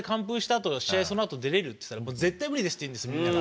あとそのあと出れる？って聞いたら絶対無理ですって言うんです。